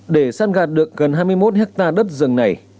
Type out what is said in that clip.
để săn gạt được gần hai mươi một hectare đất rừng này